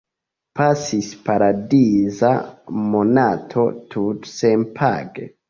Pasis paradiza monato, tute senpage...